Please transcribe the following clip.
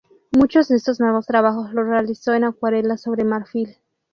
Muchos de estos nuevos trabajos los realizó en acuarela sobre marfil.